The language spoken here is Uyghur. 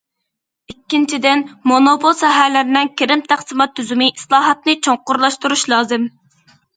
ئىككىنچىدىن، مونوپول ساھەلەرنىڭ كىرىم تەقسىمات تۈزۈمى ئىسلاھاتىنى چوڭقۇرلاشتۇرۇش لازىم.